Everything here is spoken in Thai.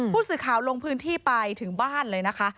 ผู้สื่อข่าวลงพื้นที่ไปถึงบ้านเลยนะคะ